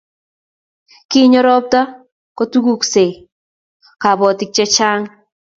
kinyo robta kotukukesei kabotik che chang'